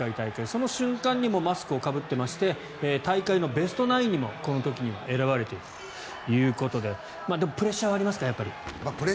その瞬間にもマスクをかぶっていまして大会のベストナインにもこの時には選ばれているということででも、プレッシャーはありますかやっぱり。